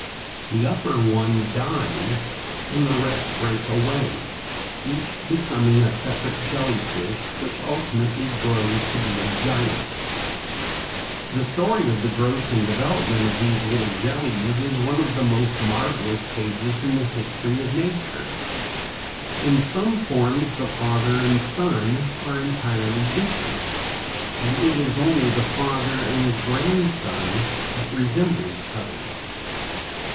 The upper one dies, and the rest break away, each becoming a separate jellyfish, which ultimately grows to be a giant. [Illustration: FIG. 22. The development of a jellyfish.] The story of the growth and development of these little jellies is one of the most marvelous pages in the history of nature. In some forms the father and son are entirely different, and it is only the father and grandson that resemble each other.